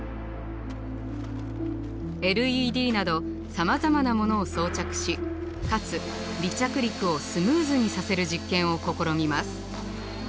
ＬＥＤなどさまざまなものを装着しかつ離着陸をスムーズにさせる実験を試みます。